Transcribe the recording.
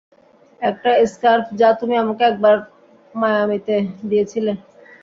একটা স্কার্ফ যা তুমি আমাকে একবার মায়ামিতে দিয়েছিলে।